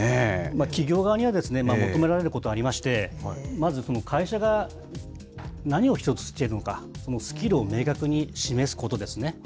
企業側に求められることがありまして、まず、会社が何を必要としているのか、そのスキルを明確に示すことですね。